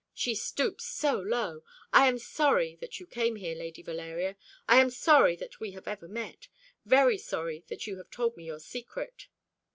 She stooped so low! I am sorry that you came here, Lady Valeria. I am sorry that we have ever met very sorry that you have told me your secret."